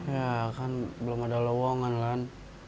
ya kan belum ada lowongan kan